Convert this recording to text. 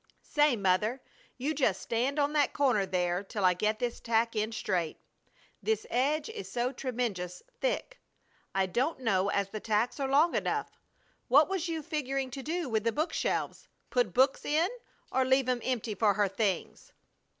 Say, Mother, you just stand on that corner there till I get this tack in straight. This edge is so tremenjus thick! I don't know as the tacks are long enough. What was you figuring to do with the book shelves, put books in, or leave 'em empty for her things?"